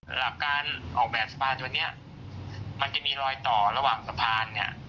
ระดับการออกแบบสะพานตัวนี้มันจะมีรอยต่อระหว่างสะพานเนี่ย